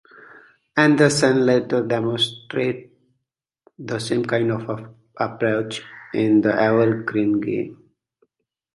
Anderssen later demonstrated the same kind of approach in the Evergreen Game.